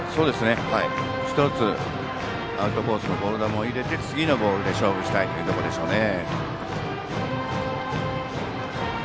１つ、アウトコースのボール球を入れて次のボールで勝負したいというところでしょうね。